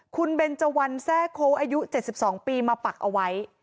คุณเบนเจวันแทรกโค้อายุ๗๒ปีมาปักเอาไว้